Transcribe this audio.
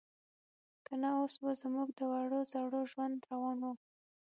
که نه اوس به زموږ د وړو زړو ژوند روان و.